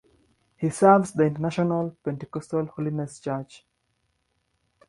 He serves the International Pentecostal Holiness Church.